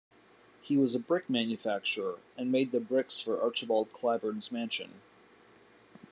He was a brick manufacturer and made the bricks for Archibald Clybourne's mansion.